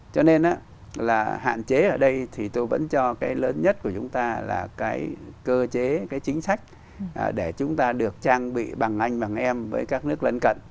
cho nên là hạn chế ở đây thì tôi vẫn cho cái lớn nhất của chúng ta là cái cơ chế cái chính sách để chúng ta được trang bị bằng anh bằng em với các nước lân cận